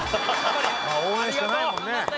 応援しかないもんね。